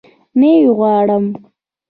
نه يي غواړم